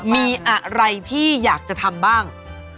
มีอะไรที่อยากจะทำบ้าง